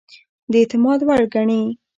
د اعتماد وړ ګڼي.